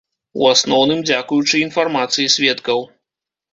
У асноўным дзякуючы інфармацыі сведкаў.